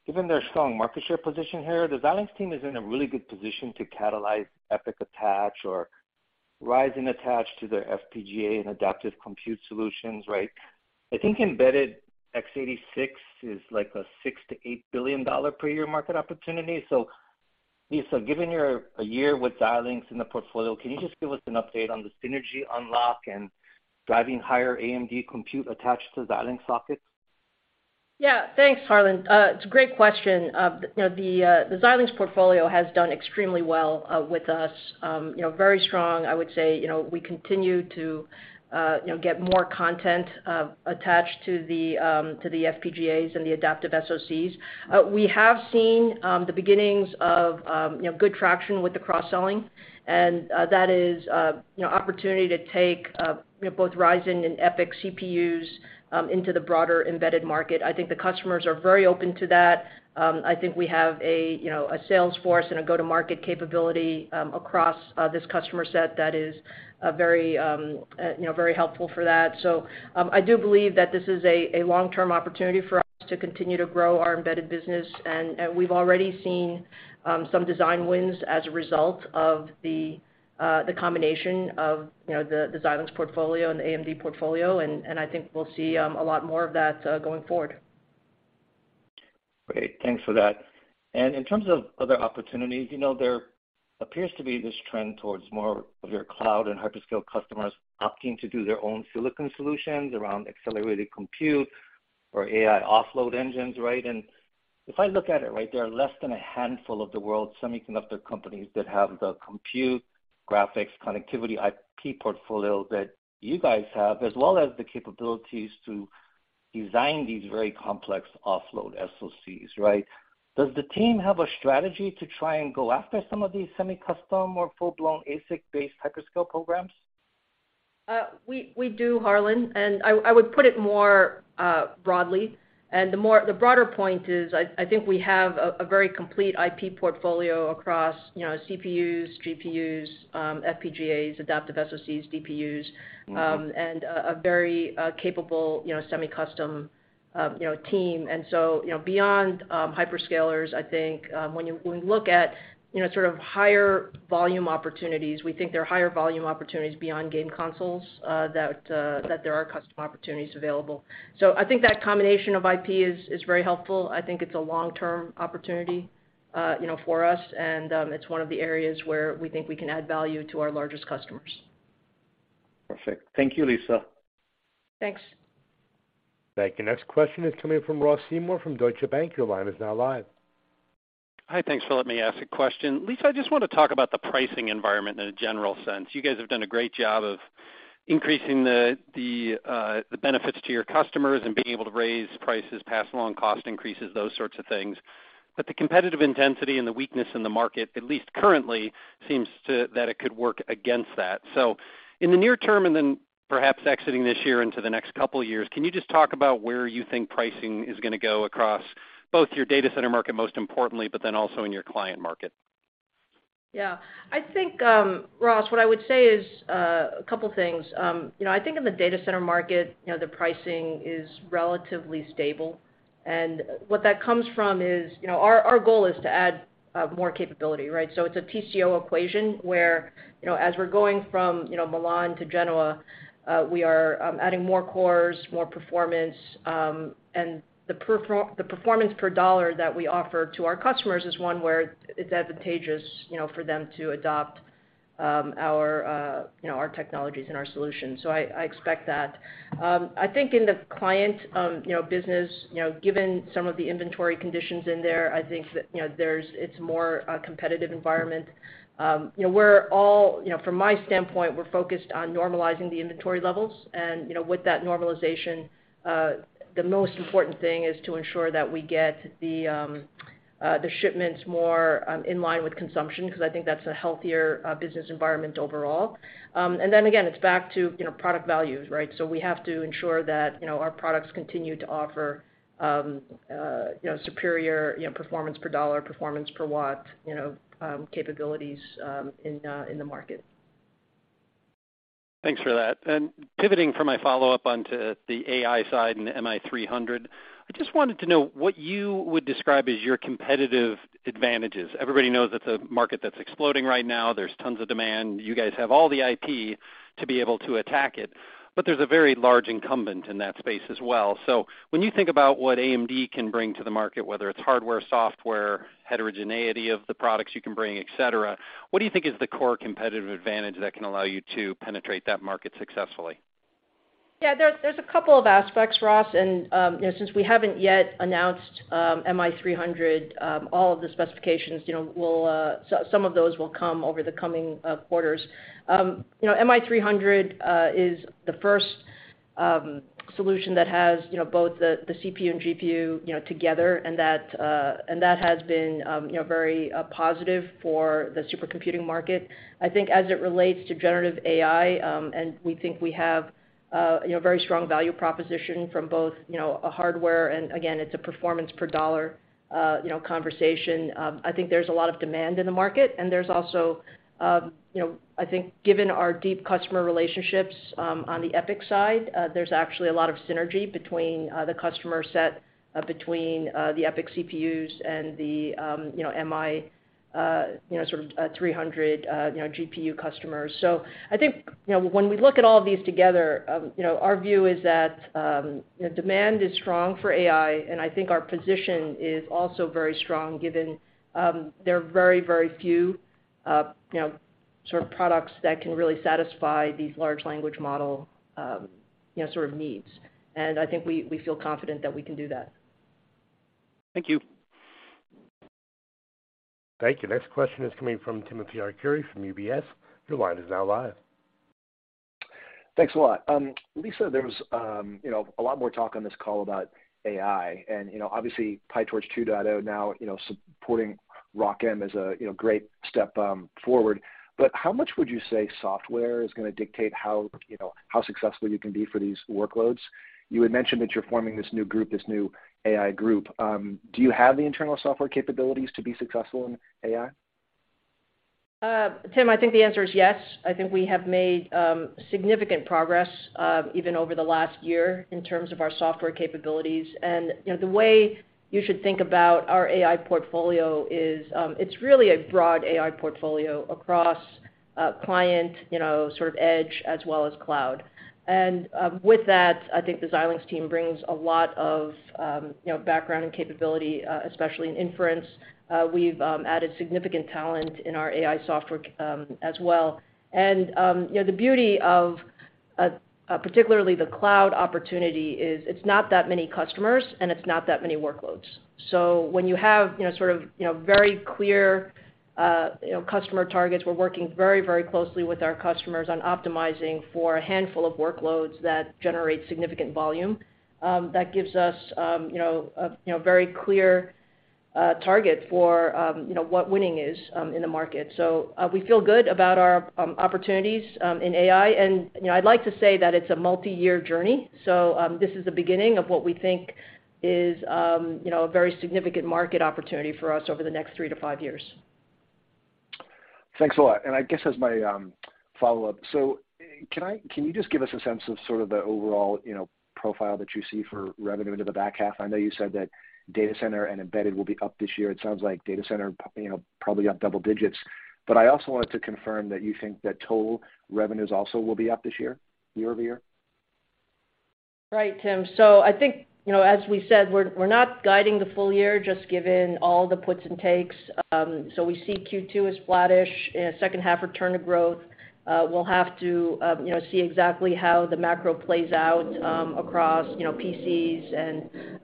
[SPEAKER 10] given their strong market share position here, the Xilinx team is in a really good position to catalyze EPYC attach or Ryzen attached to their FPGA and adaptive compute solutions, right? I think Embedded x86 is like a $6 billion-$8 billion per year market opportunity. Lisa, given a year with Xilinx in the portfolio, can you just give us an update on the synergy unlock and driving higher AMD compute attached to Xilinx sockets?
[SPEAKER 3] Yeah. Thanks, Harlan. It's a great question. You know, the Xilinx portfolio has done extremely well with us, you know, very strong. I would say, you know, we continue to, you know, get more content attached to the FPGAs and the adaptive SoCs. We have seen the beginnings of, you know, good traction with the cross-selling, and that is, you know, opportunity to take, you know, both Ryzen and EPYC CPUs into the broader embedded market. I think the customers are very open to that. I think we have a, you know, a sales force and a go-to-market capability across this customer set that is very, you know, very helpful for that. I do believe that this is a long-term opportunity for us to continue to grow our embedded business. We've already seen some design wins as a result of the combination of, you know, the Xilinx portfolio and the AMD portfolio. I think we'll see a lot more of that going forward.
[SPEAKER 10] Great. Thanks for that. In terms of other opportunities, you know, there appears to be this trend towards more of your cloud and hyperscale customers opting to do their own silicon solutions around accelerated compute or AI offload engines, right? If I look at it, right, there are less than a handful of the world's semiconductor companies that have the compute, graphics, connectivity, IP portfolio that you guys have, as well as the capabilities to design these very complex offload SoCs, right? Does the team have a strategy to try and go after some of these semi-custom or full-blown ASIC-based hyperscale programs?
[SPEAKER 3] We do, Harlan, and I would put it more broadly. The broader point is I think we have a very complete IP portfolio across, you know, CPUs, GPUs, FPGAs, adaptive SoCs, DPUs, and a very capable, you know, semi-custom, you know, team. Beyond, you know, hyperscalers, I think, when we look at, you know, sort of higher volume opportunities, we think there are higher volume opportunities beyond game consoles that there are custom opportunities available. I think that combination of IP is very helpful. I think it's a long-term opportunity, you know, for us, and it's one of the areas where we think we can add value to our largest customers.
[SPEAKER 10] Perfect. Thank you, Lisa.
[SPEAKER 3] Thanks.
[SPEAKER 1] Thank you. Next question is coming from Ross Seymore from Deutsche Bank. Your line is now live.
[SPEAKER 11] Hi. Thanks for letting me ask a question. Lisa, I just wanna talk about the pricing environment in a general sense. You guys have done a great job of increasing the benefits to your customers and being able to raise prices, pass along cost increases, those sorts of things. The competitive intensity and the weakness in the market, at least currently, seems that it could work against that. In the near term, and then perhaps exiting this year into the next couple of years, can you just talk about where you think pricing is gonna go across both your data center market, most importantly, but then also in your client market?
[SPEAKER 3] Yeah. I think, Ross, what I would say is a couple things. You know, I think in the data center market, you know, the pricing is relatively stable. What that comes from is, you know, our goal is to add more capability, right? So it's a TCO equation where, you know, as we're going from, you know, Milan to Genoa, we are adding more cores, more performance, and the performance per dollar that we offer to our customers is one where it's advantageous, you know, for them to adopt. Our, you know, our technologies and our solutions, so I expect that. I think in the client, you know, business, you know, given some of the inventory conditions in there, I think that, you know, there's it's more a competitive environment. you know, we're all, you know, from my standpoint, we're focused on normalizing the inventory levels and, you know, with that normalization, the most important thing is to ensure that we get the shipments more in line with consumption because I think that's a healthier business environment overall. Then again, it's back to, you know, product values, right? We have to ensure that, you know, our products continue to offer, you know, superior, you know, performance per dollar, performance per watt, you know, capabilities in the market.
[SPEAKER 11] Thanks for that. Pivoting for my follow-up onto the AI side and MI300, I just wanted to know what you would describe as your competitive advantages. Everybody knows it's a market that's exploding right now. There's tons of demand. You guys have all the IP to be able to attack it, but there's a very large incumbent in that space as well. When you think about what AMD can bring to the market, whether it's hardware, software, heterogeneity of the products you can bring, et cetera, what do you think is the core competitive advantage that can allow you to penetrate that market successfully?
[SPEAKER 3] Yeah. There's a couple of aspects, Ross, and, you know, since we haven't yet announced MI300, all of the specifications, you know, we'll so some of those will come over the coming quarters. You know, MI300 is the first solution that has, you know, both the CPU and GPU, you know, together, and that and that has been, you know, very positive for the supercomputing market. I think as it relates to generative AI, and we think we have, you know, very strong value proposition from both, you know, a hardware and again, it's a performance per dollar, you know, conversation. I think there's a lot of demand in the market, and there's also, you know, I think given our deep customer relationships, on the EPYC side, there's actually a lot of synergy between the customer set, between the EPYC CPUs and the, you know, MI, you know, sort of, 300, you know, GPU customers. I think, you know, when we look at all of these together, you know, our view is that, you know, demand is strong for AI, and I think our position is also very strong given, there are very, very few, you know, sort of products that can really satisfy these large language model, you know, sort of needs. I think we feel confident that we can do that.
[SPEAKER 11] Thank you.
[SPEAKER 1] Thank you. Next question is coming from Timothy Arcuri from UBS. Your line is now live.
[SPEAKER 12] Thanks a lot. Lisa, there was, you know, a lot more talk on this call about AI and, you know, obviously PyTorch 2.0 now, you know, supporting ROCm is a, you know, great step forward. How much would you say software is gonna dictate how, you know, how successful you can be for these workloads? You had mentioned that you're forming this new group, this new AI group. Do you have the internal software capabilities to be successful in AI?
[SPEAKER 3] Tim, I think the answer is yes. I think we have made significant progress even over the last year in terms of our software capabilities. You know, the way you should think about our AI portfolio is, it's really a broad AI portfolio across client, you know, sort of edge as well as cloud. With that, I think the Xilinx team brings a lot of, you know, background and capability, especially in inference. We've added significant talent in our AI software as well. You know, the beauty of particularly the cloud opportunity is it's not that many customers, and it's not that many workloads. When you have, you know, sort of, you know, very clear, you know, customer targets, we're working very, very closely with our customers on optimizing for a handful of workloads that generate significant volume. That gives us, you know, a, you know, very clear, target for, you know, what winning is in the market. We feel good about our opportunities in AI and, you know, I'd like to say that it's a multiyear journey. This is the beginning of what we think is, you know, a very significant market opportunity for us over the next three to five years.
[SPEAKER 12] Thanks a lot. I guess as my follow-up, can you just give us a sense of sort of the overall, you know, profile that you see for revenue into the back half? I know you said that data center and embedded will be up this year. It sounds like data center, you know, probably up double digits. I also wanted to confirm that you think that total revenues also will be up this year-over-year?
[SPEAKER 3] Right, Tim. I think, you know, as we said, we're not guiding the full year just given all the puts and takes. We see Q2 as flattish and a second half return to growth. We'll have to, you know, see exactly how the macro plays out, across, you know, PCs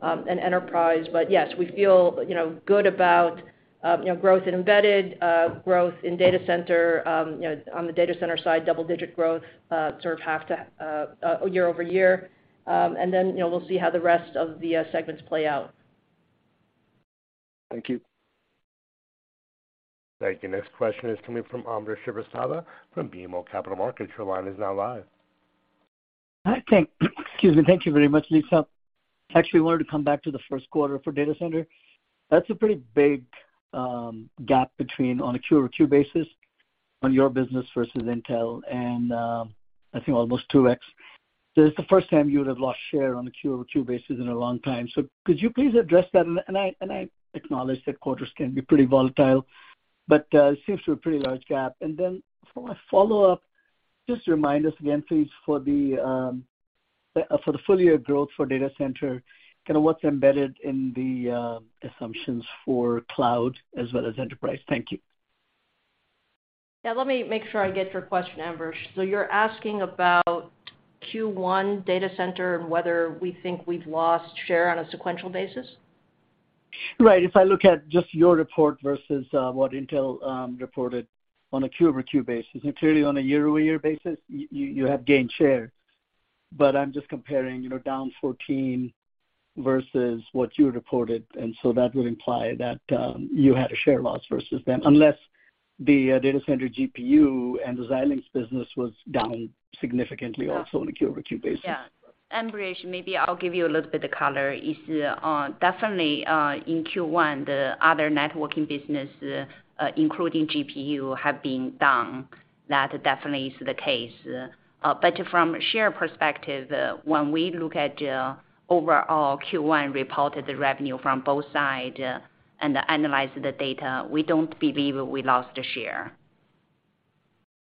[SPEAKER 3] and enterprise. Yes, we feel, you know, good about, you know, growth in embedded, growth in data center, you know, on the data center side, double-digit growth, sort of half the, year-over-year. Then, you know, we'll see how the rest of the, segments play out.
[SPEAKER 12] Thank you.
[SPEAKER 1] Thank you. Next question is coming from Ambrish Srivastava from BMO Capital Markets. Your line is now live.
[SPEAKER 13] Hi. Excuse me. Thank you very much, Lisa. Actually wanted to come back to the first quarter for data center. That's a pretty big gap between on a Q over Q basis on your business versus Intel and, I think almost 2x. This is the first time you would have lost share on a Q over Q basis in a long time. Could you please address that? I acknowledge that quarters can be pretty volatile, but it seems to be a pretty large gap. For my follow-up, just remind us again, please, for the full year growth for data center, kind of what's embedded in the assumptions for cloud as well as enterprise? Thank you.
[SPEAKER 3] Yeah, let me make sure I get your question, Ambrish. You're asking about Q1 data center and whether we think we've lost share on a sequential basis?
[SPEAKER 13] Right. If I look at just your report versus what Intel reported on a Q over Q basis. Clearly on a year-over-year basis, you have gained share. I'm just comparing, you know, down 14 versus what you reported, and so that would imply that you had a share loss versus them. Unless the data center GPU and the Xilinx business was down significantly also on a Q over Q basis.
[SPEAKER 4] Yeah. Ambrish, maybe I'll give you a little bit of color. Definitely, in Q1, the other networking business, including GPU, have been down. That definitely is the case. From share perspective, when we look at the overall Q1 reported revenue from both side, and analyze the data, we don't believe we lost a share.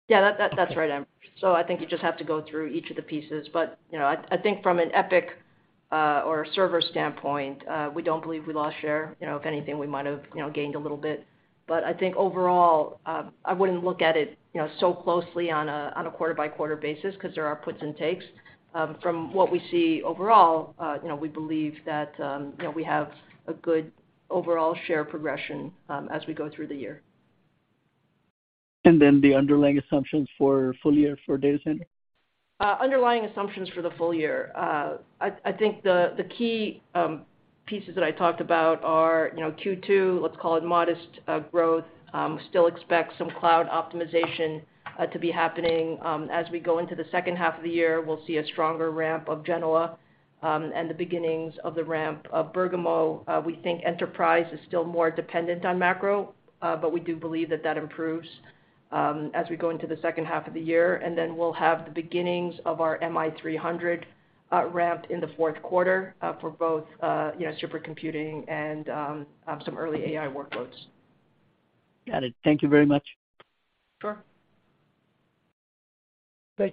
[SPEAKER 3] That's right, Ambrish. I think you just have to go through each of the pieces. You know, I think from an EPYC or a server standpoint, we don't believe we lost share. You know, if anything, we might have, you know, gained a little bit. I think overall, I wouldn't look at it, you know, so closely on a quarter-by-quarter basis 'cause there are puts and takes. From what we see overall, you know, we believe that, you know, we have a good overall share progression as we go through the year.
[SPEAKER 13] The underlying assumptions for full year for data center?
[SPEAKER 3] Underlying assumptions for the full year. I think the key pieces that I talked about are, you know, Q2, let's call it modest growth. Still expect some cloud optimization to be happening. As we go into the second half of the year, we'll see a stronger ramp of Genoa and the beginnings of the ramp of Bergamo. We think enterprise is still more dependent on macro, but we do believe that that improves as we go into the second half of the year. Then we'll have the beginnings of our MI300 ramped in the fourth quarter for both, you know, supercomputing and some early AI workloads.
[SPEAKER 13] Got it. Thank you very much.
[SPEAKER 3] Sure.
[SPEAKER 1] Thank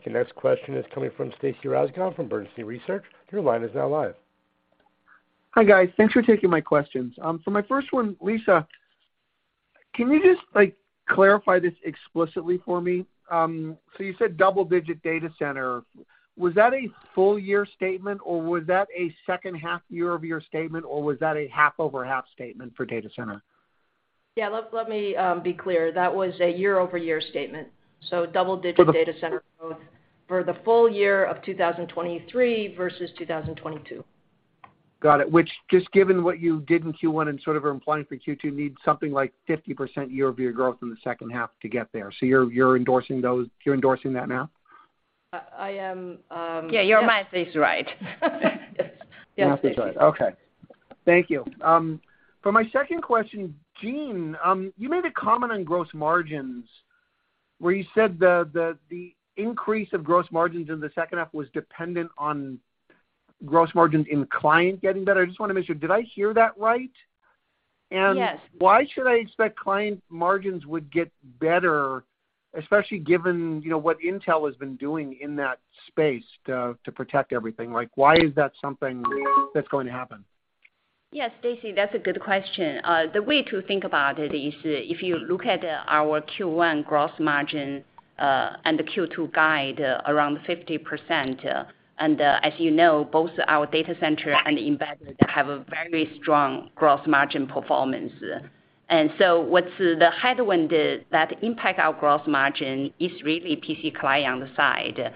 [SPEAKER 1] you. Next question is coming from Stacy Rasgon from Bernstein Research. Your line is now live.
[SPEAKER 14] Hi, guys. Thanks for taking my questions. For my first one, Lisa, can you just, like, clarify this explicitly for me? You said double digit data center. Was that a full year statement, or was that a second half year-over-year statement, or was that a half-over-half statement for data center?
[SPEAKER 3] Yeah, let me be clear. That was a year-over-year statement, so double-digit-
[SPEAKER 14] For the-
[SPEAKER 3] Data center growth for the full year of 2023 versus 2022.
[SPEAKER 14] Got it. Just given what you did in Q1 and sort of are implying for Q2, need something like 50% year-over-year growth in the second half to get there. You're endorsing that now?
[SPEAKER 3] I
[SPEAKER 4] Yeah, your math is right.
[SPEAKER 3] Yes. Yes.
[SPEAKER 14] The math is right. Okay. Thank you. For my second question, Jean, you made a comment on gross margins where you said the increase of gross margins in the second half was dependent on gross margins in client getting better. I just wanna make sure, did I hear that right?
[SPEAKER 4] Yes.
[SPEAKER 14] Why should I expect client margins would get better, especially given, you know, what Intel has been doing in that space to protect everything? Like, why is that something that's going to happen?
[SPEAKER 4] Yes, Stacy, that's a good question. The way to think about it is if you look at our Q1 gross margin and the Q2 guide around 50%, and, as you know, both our data center and embedded have a very strong gross margin performance. What's the headwind that impact our gross margin is really PC client side,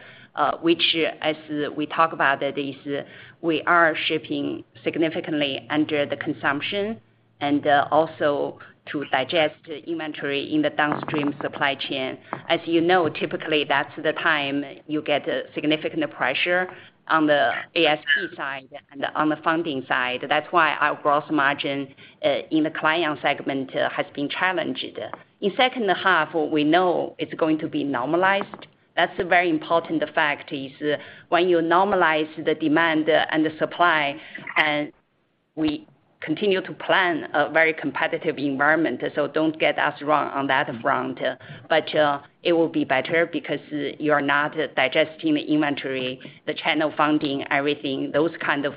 [SPEAKER 4] which as we talk about it, is we are shipping significantly under the consumption and also to digest inventory in the downstream supply chain. You know, typically, that's the time you get significant pressure on the ASP side and on the funding side. That's why our gross margin in the client segment has been challenged. In second half, we know it's going to be normalized. That's a very important fact, is when you normalize the demand and the supply. We continue to plan a very competitive environment. Don't get us wrong on that front. It will be better because you're not digesting the inventory, the channel funding, everything. Those kind of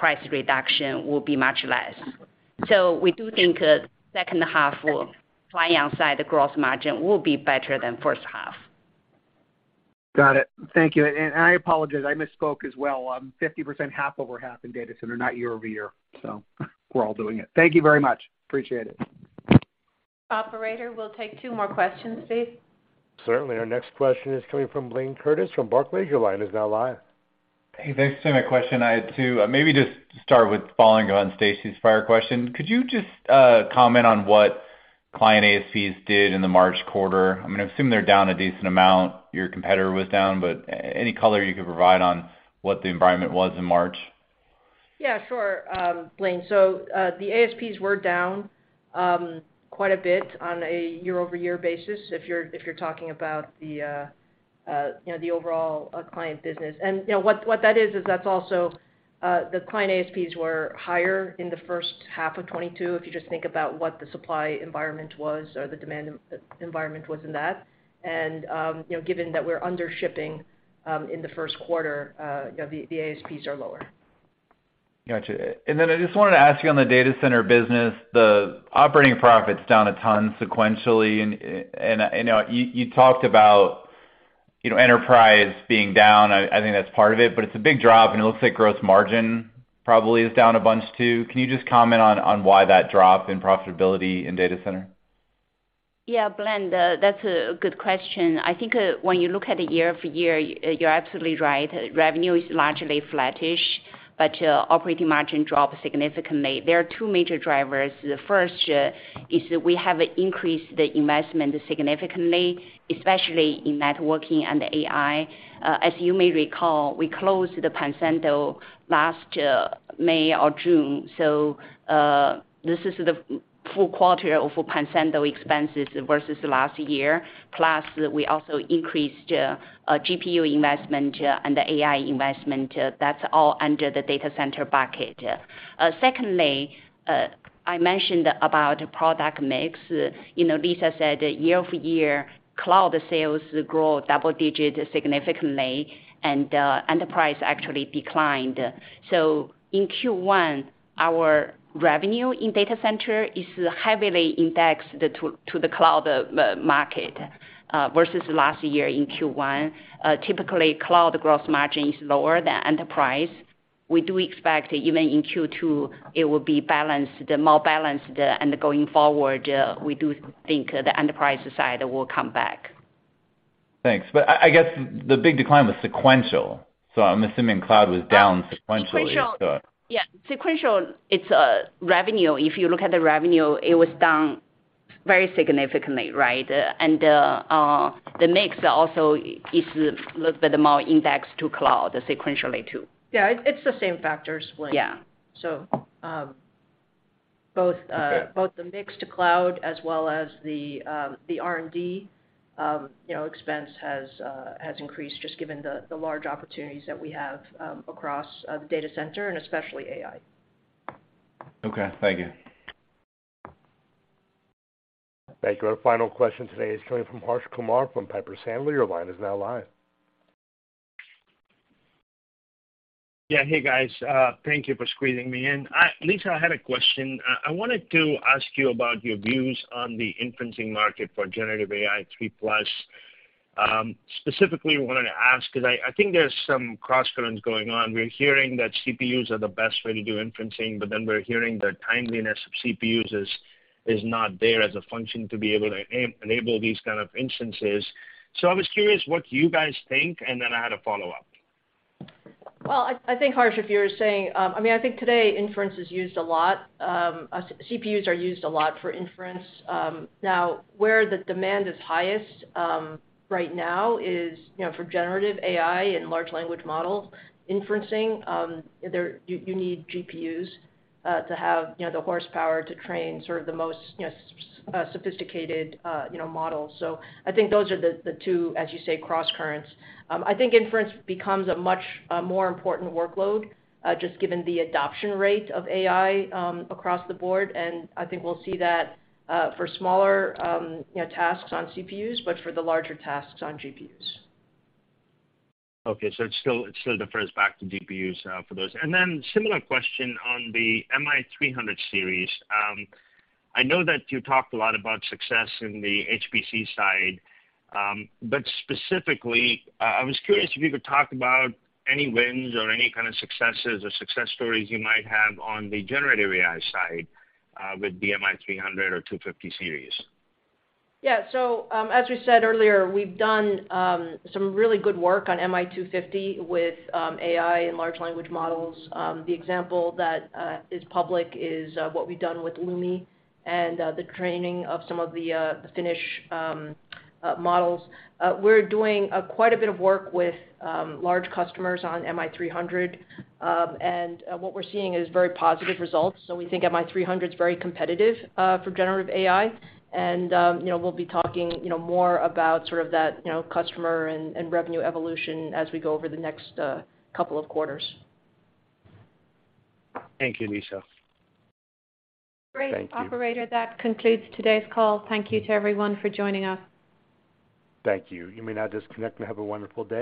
[SPEAKER 4] price reduction will be much less. We do think, second half client side gross margin will be better than first half.
[SPEAKER 14] Got it. Thank you. I apologize, I misspoke as well. 50% half-over-half in data center, not year-over-year. We're all doing it. Thank you very much. Appreciate it.
[SPEAKER 2] Operator, we'll take two more questions, please.
[SPEAKER 1] Certainly. Our next question is coming from Blayne Curtis from Barclays. Your line is now live.
[SPEAKER 15] Hey, thanks. My question I had two, maybe just start with following on Stacy's prior question. Could you just comment on what client ASPs did in the March quarter? I mean, I assume they're down a decent amount, your competitor was down, any color you could provide on what the environment was in March?
[SPEAKER 3] Yeah, sure. Blayne. The ASPs were down quite a bit on a year-over-year basis, if you're, if you're talking about, you know, the overall client business. You know, what that is that's also the client ASPs were higher in the first half of 2022, if you just think about what the supply environment was or the demand environment was in that. You know, given that we're under shipping in the first quarter, you know, the ASPs are lower.
[SPEAKER 15] Gotcha. I just wanted to ask you on the data center business, the operating profit's down a ton sequentially. I know you talked about, you know, enterprise being down. I think that's part of it, but it's a big drop, and it looks like gross margin probably is down a bunch too. Can you just comment on why that drop in profitability in data center?
[SPEAKER 4] Blayne, that's a good question. I think when you look at it year-over-year, you're absolutely right. Revenue is largely flattish, operating margin dropped significantly. There are two major drivers. The first is that we have increased the investment significantly, especially in networking and AI. As you may recall, we closed Pensando last May or June, this is the full quarter of Pensando expenses versus last year. We also increased a GPU investment and the AI investment. That's all under the data center bucket. Secondly, I mentioned about product mix. You know, Lisa said year-over-year, cloud sales grow double-digit significantly, and enterprise actually declined. In Q1, our revenue in data center is heavily indexed to the cloud market versus last year in Q1. Typically, cloud gross margin is lower than enterprise. We do expect even in Q2 it will be balanced, more balanced, going forward, we do think the enterprise side will come back.
[SPEAKER 15] Thanks. I guess the big decline was sequential, I'm assuming cloud was down sequentially.
[SPEAKER 4] Sequential. Yeah, sequential, it's revenue. If you look at the revenue, it was down very significantly, right? The mix also is a little bit more indexed to cloud sequentially too.
[SPEAKER 3] Yeah, it's the same factors, Blayne.
[SPEAKER 4] Yeah.
[SPEAKER 3] Both the mix to cloud as well as the R&D, you know, expense has increased just given the large opportunities that we have, across the data center and especially AI.
[SPEAKER 15] Okay, thank you.
[SPEAKER 1] Thank you. Our final question today is coming from Harsh Kumar from Piper Sandler. Your line is now live.
[SPEAKER 16] Hey, guys. Thank you for squeezing me in. Lisa, I had a question. I wanted to ask you about your views on the inferencing market for generative AI 3+. Specifically wanted to ask 'cause I think there's some crosscurrents going on. We're hearing that CPUs are the best way to do inferencing, but then we're hearing the timeliness of CPUs is not there as a function to be able to enable these kind of instances. I was curious what you guys think, and then I had a follow-up.
[SPEAKER 3] I think, Harsh, if you're saying, I mean, I think today inference is used a lot. CPUs are used a lot for inference. Now, where the demand is highest right now is, you know, for generative AI and large language model inferencing. You need GPUs to have, you know, the horsepower to train sort of the most, you know, sophisticated, you know, models. I think those are the two, as you say, crosscurrents. I think inference becomes a much more important workload just given the adoption rate of AI across the board, and I think we'll see that for smaller, you know, tasks on CPUs, but for the larger tasks on GPUs.
[SPEAKER 16] It still defers back to GPUs for those. Similar question on the MI300 series. I know that you talked a lot about success in the HPC side. But specifically, I was curious if you could talk about any wins or any kind of successes or success stories you might have on the generative AI side with the MI300 or 250 series.
[SPEAKER 3] Yeah. As we said earlier, we've done some really good work on MI250 with AI and large language models. The example that is public is what we've done with LUMI and the training of some of the Finnish models. We're doing quite a bit of work with large customers on MI300. What we're seeing is very positive results, so we think MI300 is very competitive for generative AI. You know, we'll be talking, you know, more about sort of that, you know, customer and revenue evolution as we go over the next couple of quarters.
[SPEAKER 16] Thank you, Lisa.
[SPEAKER 4] Great.
[SPEAKER 1] Thank you.
[SPEAKER 4] Operator, that concludes today's call. Thank you to everyone for joining us.
[SPEAKER 1] Thank you. You may now disconnect and have a wonderful day.